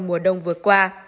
mùa đông vừa qua